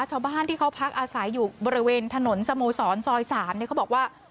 ชาวบ้านที่เขาพักอาศัยอยู่บริเวณถนนสโมสรซอย๓เขาบอกว่า